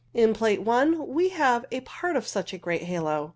In Plate i we have a part of such a great halo.